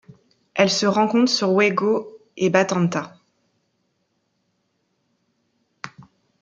Elle se rencontre sur Waigeo et Batanta.